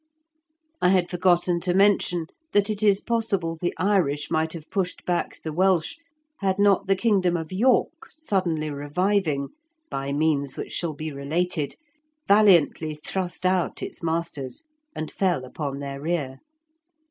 I had forgotten to mention that it is possible the Irish might have pushed back the Welsh, had not the kingdom of York suddenly reviving, by means which shall be related, valiantly thrust out its masters, and fell upon their rear.